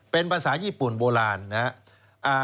เป็นภาษาญี่ปุ่นโบราณนะครับ